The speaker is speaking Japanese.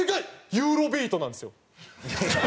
ユーロビートなんですよ。